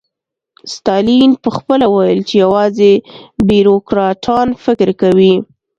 ستالین پخپله ویل چې یوازې بیروکراټان فکر کوي